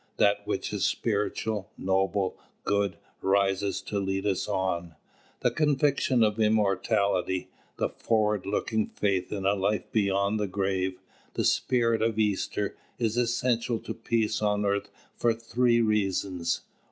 That which is spiritual, noble, good, rises to lead us on. The conviction of immortality, the forward looking faith in a life beyond the grave, the spirit of Easter, is essential to peace on earth for three reasons.